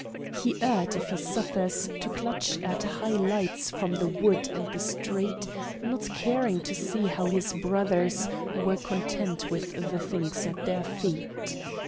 "He erred, if he suffers, to clutch at High lights from the wood and the street; Not caring to see how his brothers Were content with the things at their feet."